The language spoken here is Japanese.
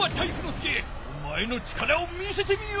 介おまえの力を見せてみよ！